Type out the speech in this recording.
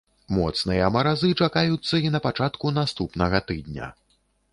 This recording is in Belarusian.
Моцныя маразы чакаюцца і на пачатку наступнага тыдня.